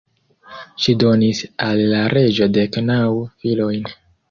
Ŝi donis al la reĝo dek naŭ filojn.